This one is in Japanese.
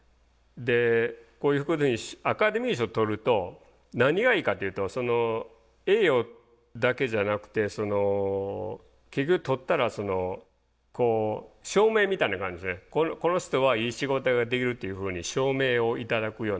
でこういうことにアカデミー賞取ると何がいいかっていうと栄誉だけじゃなくて結局取ったらこう証明みたいな感じでこの人はいい仕事ができるっていうふうに証明を頂くようなもんで。